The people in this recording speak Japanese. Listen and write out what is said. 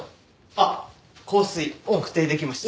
あっ香水特定できました。